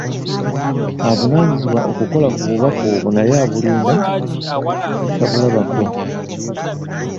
Avunaanyizibwa okukola ku bubaka obwo naye obubaka abulinda tabulabako.